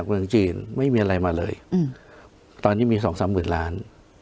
เมืองจีนไม่มีอะไรมาเลยตอนนี้มีสองสามหมื่นล้าน